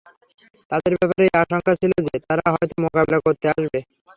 তাদের ব্যাপারে এ আশঙ্কা ছিল যে, তারা হয়ত মোকাবিলা করতে আসবে।